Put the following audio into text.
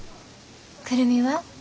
久留美は？